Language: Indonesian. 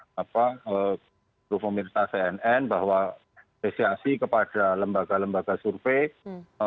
seluruh pemerintah cnn bahwa apresiasi kepada lembaga lembaga survei